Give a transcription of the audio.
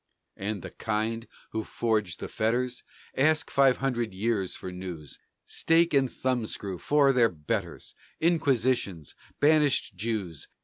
And the kind who forged these fetters? Ask five hundred years for news. Stake and thumbscrew for their betters! Inquisitions! Banished Jews!